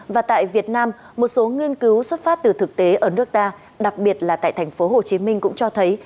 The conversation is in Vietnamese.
và tại việt nam một số nghiên cứu xuất phát từ thực tế ở nước ta đặc biệt là tại tp hcm cũng cho thấy